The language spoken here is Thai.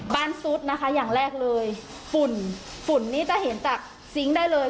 ซุดนะคะอย่างแรกเลยฝุ่นฝุ่นนี้จะเห็นจากซิงค์ได้เลย